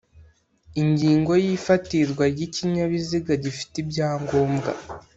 Ingingo y Ifatirwa ry ikinyabiziga gifite ibyangombwa